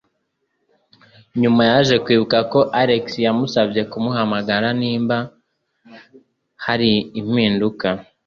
Nyuma yaje kwibuka ko Alex yamusabye kumuhamagara niba hari impinduka.